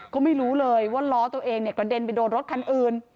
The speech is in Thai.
ก็ไม่รู้เลยว่าล้อตัวเองกระเด็นไปโดนรถคันอื่น